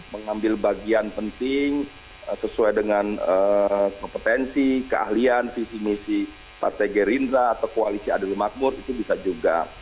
mengambil bagian penting sesuai dengan kompetensi keahlian visi misi partai gerindra atau koalisi adil makmur itu bisa juga